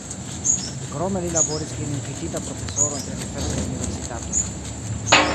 Krome li laboris kiel invitita profesoro en tre diversaj universitatoj.